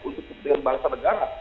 itu kepentingan bangsa dan negara